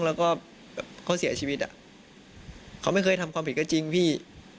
แล้วก็เขาเสียชีวิตอ่ะเขาไม่เคยทำความผิดก็จริงพี่